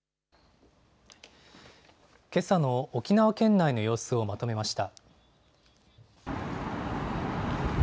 けさの沖縄県内の様子をまとめました。